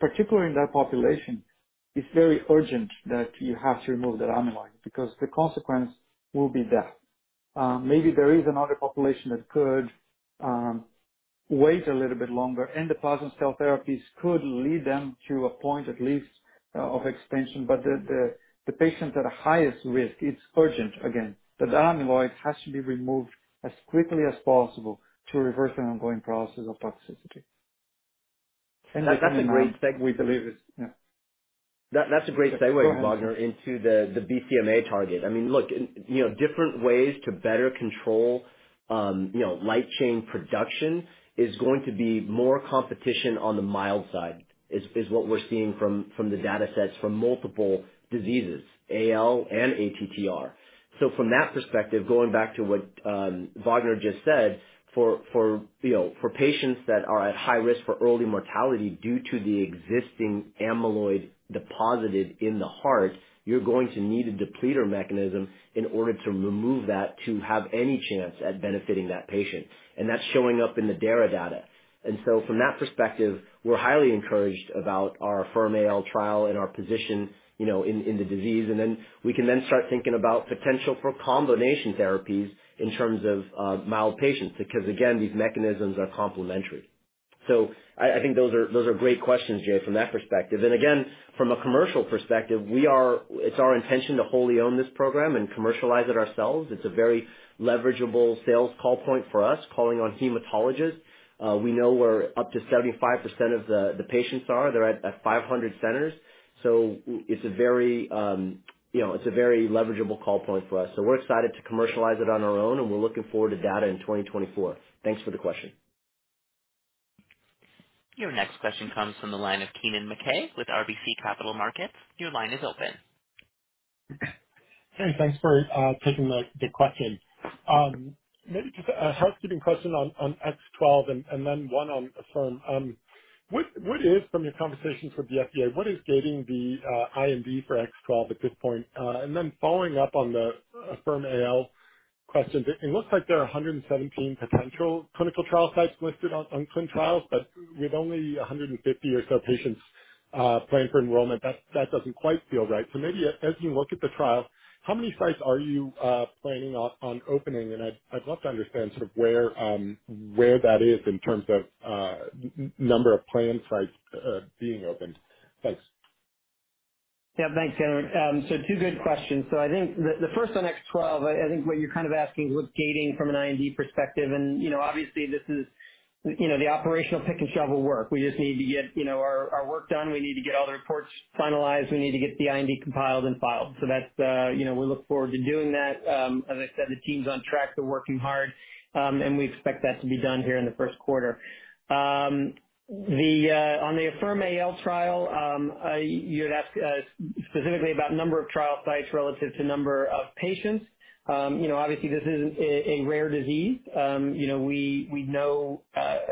Particularly in that population, it's very urgent that you have to remove that amyloid because the consequence will be death. Maybe there is another population that could wait a little bit longer, and the plasma cell therapies could lead them to a point, at least, of extension. The patients at highest risk, it's urgent again, that the amyloid has to be removed as quickly as possible to reverse an ongoing process of toxicity. That's a great segue. We believe it's. Yeah. That's a great segue, Wagner, into the BCMA target. I mean, look, you know, different ways to better control, you know, light chain production is going to be more competition on the mild side, is what we're seeing from the datasets from multiple diseases, AL and ATTR. From that perspective, going back to what Vagner just said, for, you know, for patients that are at high risk for early mortality due to the existing amyloid deposited in the heart, you're going to need a depleter mechanism in order to remove that to have any chance at benefiting that patient. That's showing up in the dara data. From that perspective, we're highly encouraged about our AFFIRM-AL trial and our position, you know, in the disease. We can then start thinking about potential for combination therapies in terms of mild patients, because again, these mechanisms are complementary. I think those are great questions, Jay, from that perspective. Again, from a commercial perspective, it's our intention to wholly own this program and commercialize it ourselves. It's a very leverageable sales call point for us, calling on hematologists. We know where up to 75% of the patients are. They're at 500 centers. It's a very, you know, it's a very leverageable call point for us. We're excited to commercialize it on our own, and we're looking forward to data in 2024. Thanks for the question. Your next question comes from the line of Kennen MacKay with RBC Capital Markets. Your line is open. Hey, thanks for taking the question. Maybe just a housekeeping question on PRX012 and then one on AFFIRM-AL. From your conversations with the FDA, what is gating the IND for PRX012 at this point? Following up on the AFFIRM-AL question, it looks like there are 117 potential clinical trial sites listed on ClinicalTrials.gov, but with only 150 or so patients planned for enrollment, that doesn't quite feel right. Maybe as you look at the trial, how many sites are you planning on opening? I'd love to understand sort of where that is in terms of number of planned sites being opened. Thanks. Yeah. Thanks, Keenan. Two good questions. I think the first on PRX012, I think what you're kind of asking is what's gating from an IND perspective. You know, obviously this is you know, the operational pick and shovel work. We just need to get you know, our work done. We need to get all the reports finalized. We need to get the IND compiled and filed. That's, you know, we look forward to doing that. As I said, the team's on track. They're working hard. We expect that to be done here in the first quarter. On the AFFIRM-AL trial, you had asked specifically about number of trial sites relative to number of patients. You know, obviously this is a rare disease. You know, we know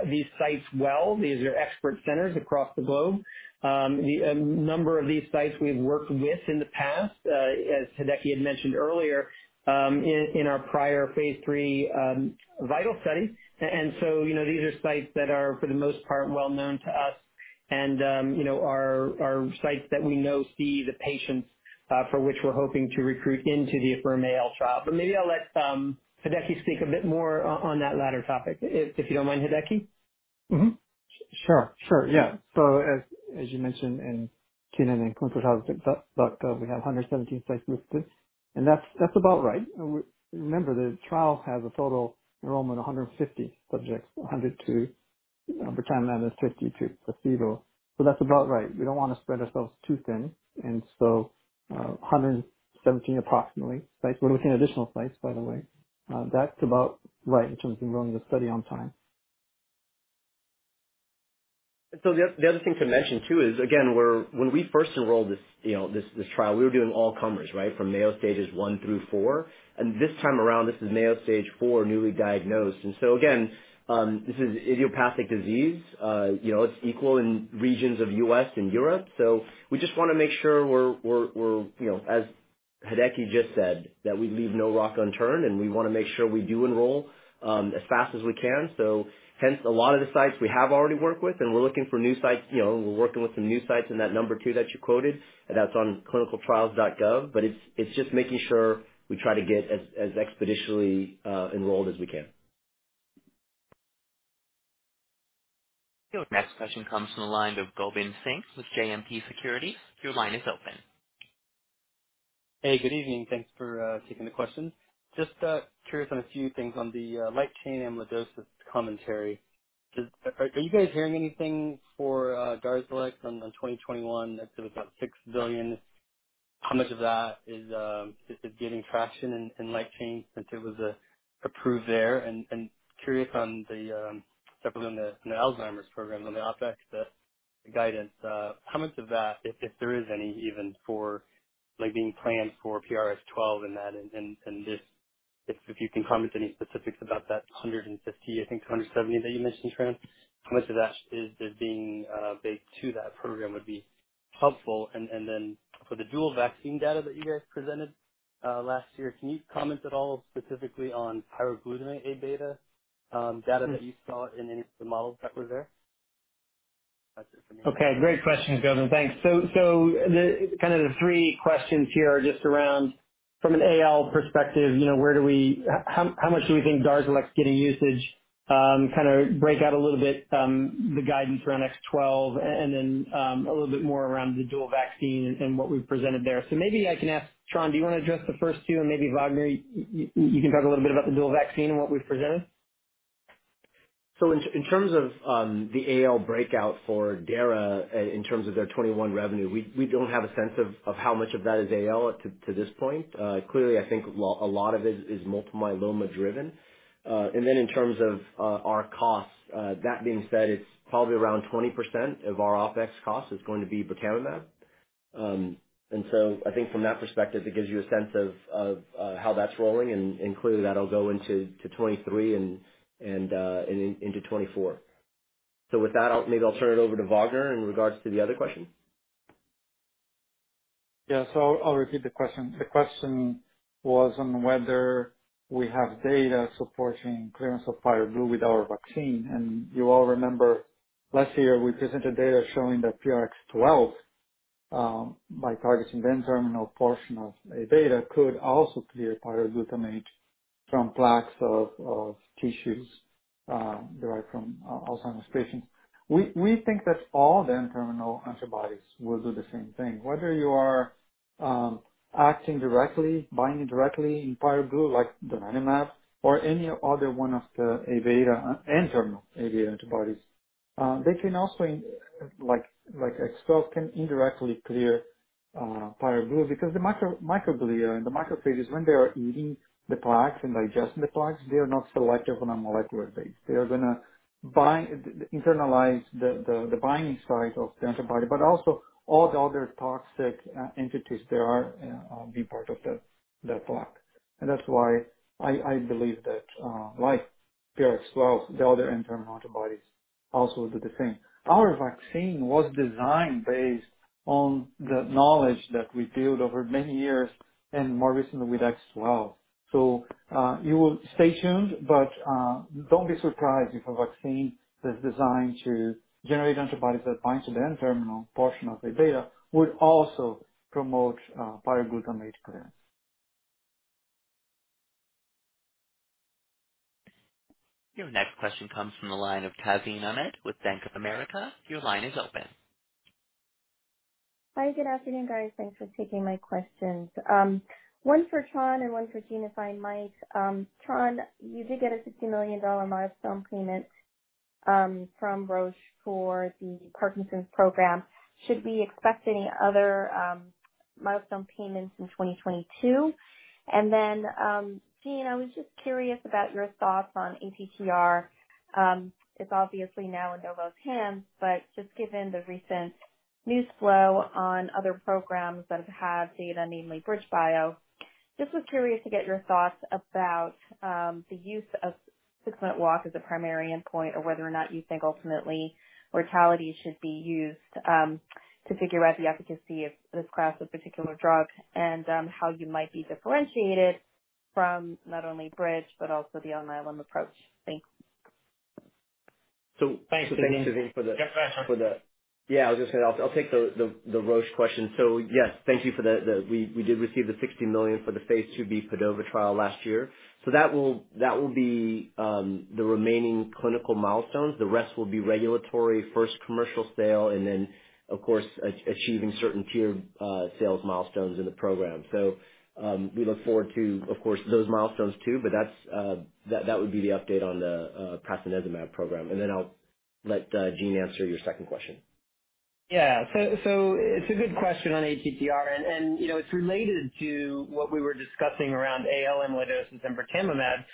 these sites well. These are expert centers across the globe. The number of these sites we've worked with in the past, as Hideki had mentioned earlier, in our prior phase III VITAL study. You know, these are sites that are, for the most part, well-known to us. You know, our sites that we know see the patients, for which we're hoping to recruit into the AFFIRM-AL trial. Maybe I'll let Hideki speak a bit more on that latter topic. If you don't mind, Hideki. As you mentioned, and Gene and clinicaltrials.gov, we have 117 sites recruited, and that's about right. Remember the trial has a total enrollment, 150 subjects, 100 to, you know, for time now, there's 50 to placebo. That's about right. We don't wanna spread ourselves too thin. 117 approximately sites. We're looking at additional sites, by the way. That's about right in terms of enrolling the study on time. The other thing to mention too is, again, when we first enrolled this trial, you know, we were doing all comers, right? From Mayo Stages I through IV. This time around, this is Mayo Stage IV, newly diagnosed. Again, this is idiopathic disease. You know, it's equal in regions of the U.S. and Europe. We just wanna make sure we're, you know, as Hideki just said, that we leave no rock unturned, and we wanna make sure we do enroll as fast as we can. Hence a lot of the sites we have already worked with, and we're looking for new sites. You know, we're working with some new sites in that number too, that you quoted, and that's on clinicaltrials.gov. It's just making sure we try to get as expeditiously enrolled as we can. Your next question comes from the line of Gobind Singh with JMP Securities. Your line is open. Hey, good evening. Thanks for taking the questions. Just curious on a few things on the light chain and the doses commentary. Are you guys hearing anything for Darzalex on the 2021? I think it was about $6 billion. How much of that is it getting traction in light chain since it was approved there? Curious on the stuff within the Alzheimer's program on the OpEx, the guidance. How much of that, if there is any even for, Like, being planned for PRX012 in that and this. If you can comment any specifics about that $150, I think $270 that you mentioned, Tran, how much of that is being baked to that program would be helpful. For the dual vaccine data that you guys presented last year, can you comment at all specifically on pyroglutamate A-beta data that you saw in any of the models that were there? That's it for me. Okay. Great questions, Govind. Thanks. The three questions here are just around, from an AL perspective, you know, where do we—how much do we think Darzalex getting usage, kind of break out a little bit, the guidance around PRX012 and then, a little bit more around the dual vaccine and what we've presented there. Maybe I can ask, Tran, do you want to address the first two, and maybe Vagner, you can talk a little bit about the dual vaccine and what we've presented? In terms of the AL breakout for Darzalex in terms of their 2021 revenue, we don't have a sense of how much of that is AL, too, to this point. Clearly, I think a lot of it is multiple myeloma driven. In terms of our costs, that being said, it's probably around 20% of our OpEx cost is going to be birtamimab. I think from that perspective, it gives you a sense of how that's rolling, and clearly that'll go into 2023 and into 2024. With that, I'll maybe turn it over to Wagner in regards to the other question. Yeah. I'll repeat the question. The question was on whether we have data supporting clearance of pyroglutamate with our vaccine. You all remember last year we presented data showing that PRX012 by targeting the N-terminal portion of A-beta could also clear pyroglutamate from plaques of tissues derived from Alzheimer's patients. We think that all the N-terminal antibodies will do the same thing. Whether you are acting directly, binding directly to pyroglutamate like donanemab or any other one of the A-beta, N-terminal A-beta antibodies, they can also, like, PRX012 can indirectly clear pyroglutamate because the microglia and the macrophages, when they are eating the plaques and digesting the plaques, they are not selective on a molecular basis. They're gonna bind and internalize the binding site of the antibody, but also all the other toxic entities that are part of the plaque. That's why I believe that, like PRX012, the other N-terminal antibodies also do the same. Our vaccine was designed based on the knowledge that we built over many years and more recently with PRX012. You will stay tuned, but don't be surprised if a vaccine that's designed to generate antibodies that bind to the N-terminal portion of A-beta would also promote pyroglutamate clearance. Your next question comes from the line of Tazeen Ahmad with Bank of America. Your line is open. Hi, good afternoon, guys. Thanks for taking my questions. One for Tran and one for Gene, if I might. Tran, you did get a $60 million milestone payment from Roche for the Parkinson's program. Should we expect any other milestone payments in 2022? Gene, I was just curious about your thoughts on ATTR. It's obviously now in de novo with him, but just given the recent news flow on other programs that have had data, namely BridgeBio. Just was curious to get your thoughts about the use of six-minute walk as a primary endpoint or whether or not you think ultimately mortality should be used to figure out the efficacy of this class of particular drug and how you might be differentiated. From not only Bridge, but also the Alnylam approach. Thanks. Thanks, Tazeen, for the question. I'll take the Roche question. Yes, thank you for the. We did receive the $60 million for the phase II-B PADOVA trial last year. That will be the remaining clinical milestones. The rest will be regulatory, first commercial sale, and then, of course, achieving certain tiered sales milestones in the program. We look forward to, of course, those milestones too, but that's the update on the prasinezumab program. Then I'll let Gene answer your second question. It's a good question on ATTR and, you know, it's related to what we were discussing around AL amyloidosis and birtamimab.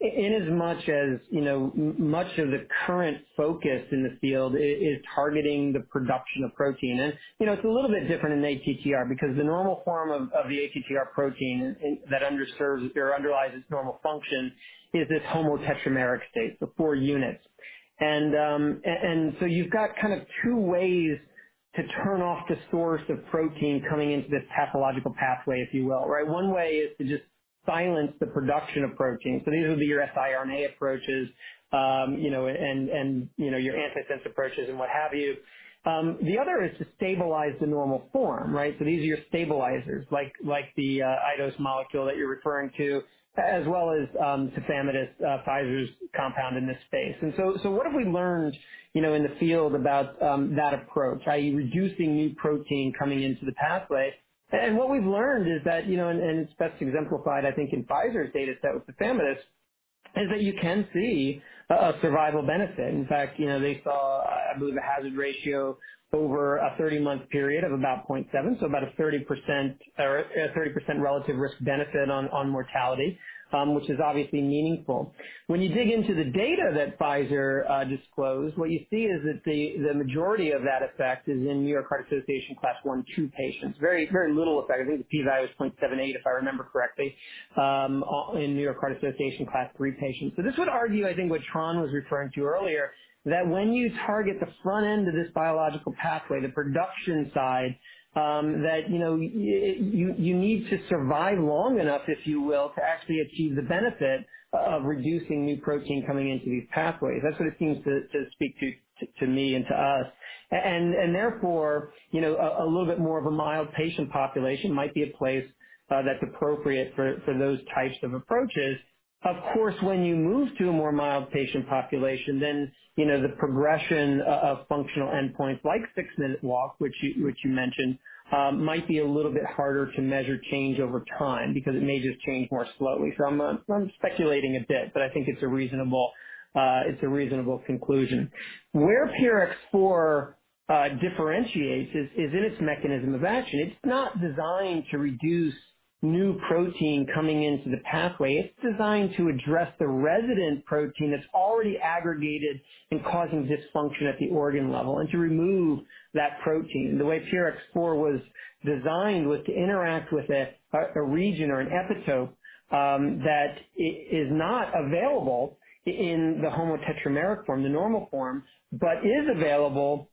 Inasmuch as, you know, much of the current focus in the field is targeting the production of protein. You know, it's a little bit different in ATTR because the normal form of the ATTR protein that underlies its normal function is this homotetrameric state, the four units. You've got kind of two ways to turn off the source of protein coming into this pathological pathway, if you will, right? One way is to just silence the production of protein. These will be your siRNA approaches, you know, and, you know, your antisense approaches and what have you. The other is to stabilize the normal form, right? These are your stabilizers, like the acoramidis molecule that you're referring to, as well as tafamidis, Pfizer's compound in this space. What have we learned, you know, in the field about that approach, i.e. reducing new protein coming into the pathway? What we've learned is that, you know, it's best exemplified, I think, in Pfizer's data set with tafamidis, that you can see a survival benefit. In fact, you know, they saw, I believe a hazard ratio over a 30-month period of about 0.7, so about a 30% relative risk benefit on mortality, which is obviously meaningful. When you dig into the data that Pfizer disclosed, what you see is that the majority of that effect is in New York Heart Association Class I, II patients. Very, very little effect. I think the p-value is 0.78, if I remember correctly, in New York Heart Association Class III patients. This would argue, I think, what Tran was referring to earlier, that when you target the front end of this biological pathway, the production side, that, you know, you need to survive long enough, if you will, to actually achieve the benefit of reducing new protein coming into these pathways. That's what it seems to speak to me and to us. Therefore, you know, a little bit more of a mild patient population might be a place that's appropriate for those types of approaches. Of course, when you move to a more mild patient population, then, you know, the progression of functional endpoints like six-minute walk, which you mentioned, might be a little bit harder to measure change over time because it may just change more slowly. I'm speculating a bit, but I think it's a reasonable conclusion. Where PRX004 differentiates is in its mechanism of action. It's not designed to reduce new protein coming into the pathway. It's designed to address the resident protein that's already aggregated and causing dysfunction at the organ level and to remove that protein. The way PRX004 was designed was to interact with a region or an epitope that is not available in the homotetrameric form, the normal form, but is available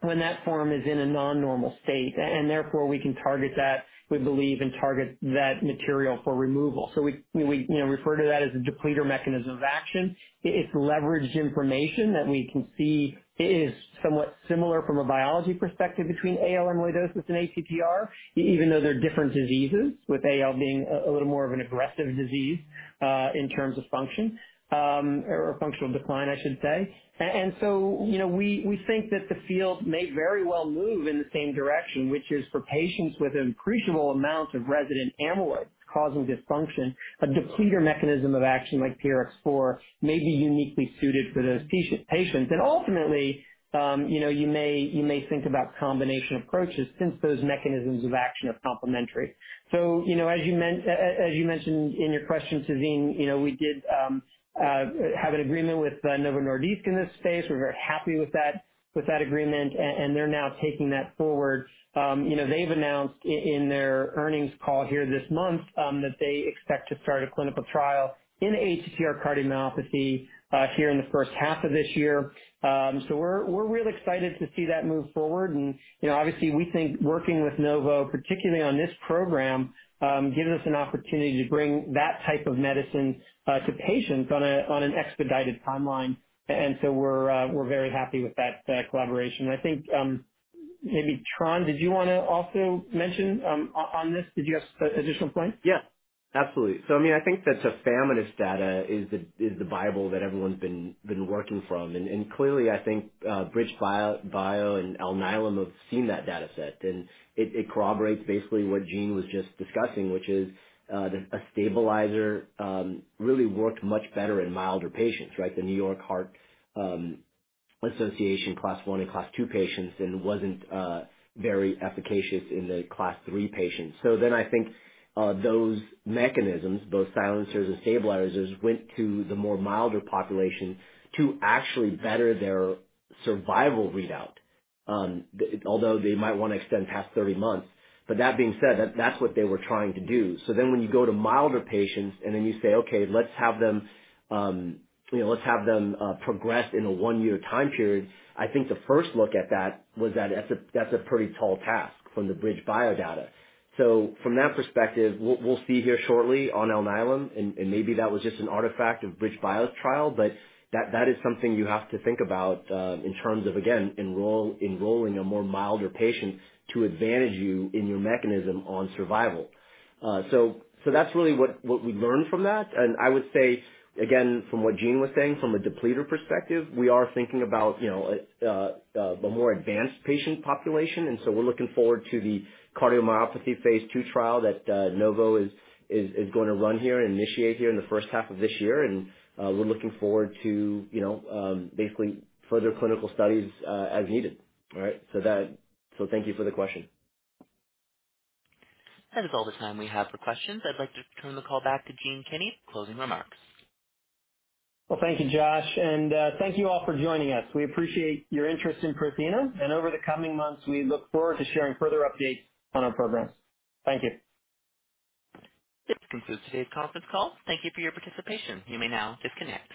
when that form is in a non-normal state. Therefore, we can target that, we believe, and target that material for removal. We, you know, refer to that as a depleter mechanism of action. It's leveraged information that we can see is somewhat similar from a biology perspective between AL amyloidosis and ATTR, even though they're different diseases, with AL being a little more of an aggressive disease in terms of function or functional decline, I should say. You know, we think that the field may very well move in the same direction, which is for patients with appreciable amounts of resident amyloid causing dysfunction. A depleter mechanism of action like PRX004 may be uniquely suited for those patients. Ultimately, you may think about combination approaches since those mechanisms of action are complementary. As you mentioned in your question, Tazeen, we did have an agreement with Novo Nordisk in this space. We're very happy with that agreement, and they're now taking that forward. They've announced in their earnings call here this month that they expect to start a clinical trial in ATTR cardiomyopathy here in the first half of this year. We're real excited to see that move forward. You know, obviously, we think working with Novo, particularly on this program, gives us an opportunity to bring that type of medicine to patients on an expedited timeline. We're very happy with that collaboration. I think, maybe, Tran, did you wanna also mention on this? Did you have additional points? Yeah, absolutely. I mean, I think the tafamidis data is the Bible that everyone's been working from. Clearly, I think, BridgeBio and Alnylam have seen that data set, and it corroborates basically what Gene was just discussing, which is that a stabilizer really worked much better in milder patients, right? The New York Heart Association Class 1 and Class 2 patients and wasn't very efficacious in the Class 3 patients. I think those mechanisms, both silencers and stabilizers, went to the more milder population to actually better their survival readout, although they might wanna extend past 30 months. That being said, that's what they were trying to do. When you go to milder patients and then you say, "Okay, let's have them, you know, progress in a one-year time period," I think the first look at that was that that's a pretty tall task from the BridgeBio data. From that perspective, we'll see here shortly on Alnylam, and maybe that was just an artifact of BridgeBio's trial, but that is something you have to think about in terms of, again, enrolling a milder patient to advantage you in your mechanism on survival. That's really what we learned from that. I would say, again, from what Gene was saying, from a depleter perspective, we are thinking about, you know, the more advanced patient population. We're looking forward to the cardiomyopathy phase II trial that Novo is gonna run here and initiate here in the first half of this year. We're looking forward to, you know, basically further clinical studies as needed. Thank you for the question. That is all the time we have for questions. I'd like to turn the call back to Gene Kinney for closing remarks. Well, thank you, Josh, and thank you all for joining us. We appreciate your interest in Prothena, and over the coming months, we look forward to sharing further updates on our program. Thank you. This concludes today's conference call. Thank you for your participation. You may now disconnect.